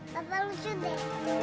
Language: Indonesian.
papa lu sudah